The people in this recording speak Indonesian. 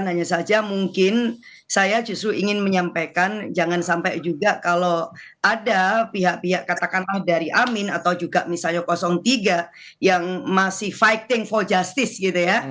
hanya saja mungkin saya justru ingin menyampaikan jangan sampai juga kalau ada pihak pihak katakanlah dari amin atau juga misalnya tiga yang masih fighting for justice gitu ya